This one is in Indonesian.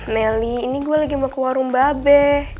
melly ini gue lagi mau ke warung babe